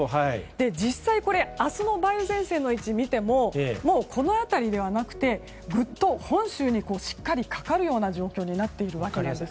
実際、明日の梅雨前線の位置を見てもぐっと本州にしっかりかかるような状況になっているわけなんです。